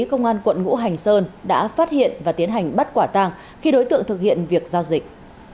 công an quận ngũ hành sơn đã phát hiện và tiến hành bắt quả tàng khi đối tượng thực hiện việc giao dịch